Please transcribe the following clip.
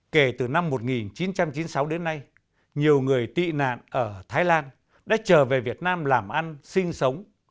kể từ năm một nghìn chín trăm chín mươi sáu đến nay nhiều người tị nạn ở thái lan đã trở về việt nam làm ăn sinh sống